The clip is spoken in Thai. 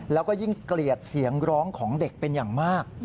แล้วก็ยิ่งเกลียดเสียงร้องของเด็กเป็นอย่างมาก